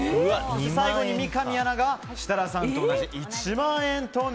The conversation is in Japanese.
最後に三上アナが設楽さんと同じ１万円。